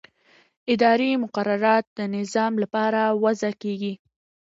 اداري مقررات د نظم لپاره وضع کېږي.